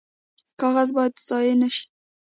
کاغذ باید ضایع نشي